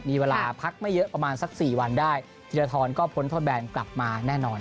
มีเวลาพักไม่เยอะประมาณสัก๔วันได้ธีรทรก็พ้นโทษแบนกลับมาแน่นอน